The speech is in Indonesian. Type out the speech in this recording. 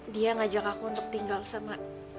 dia ngajak aku untuk tinggal sama